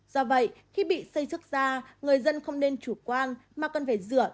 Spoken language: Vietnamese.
do vậy khi bị xây xước da người dân không nên chủ quan mà cần phải rửa